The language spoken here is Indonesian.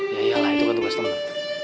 yaiyalah itu kan tugas temen